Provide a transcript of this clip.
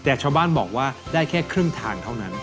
แต่ชาวบ้านบอกว่าได้แค่ครึ่งทางเท่านั้น